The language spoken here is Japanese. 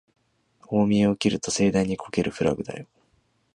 大見得を切ると盛大にこけるフラグだよ